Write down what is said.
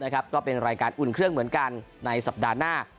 ก็เป็นรายการอุ่นเครื่องเหมือนกันในสัปดาห์หน้า